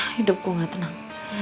hidup gue gak tenang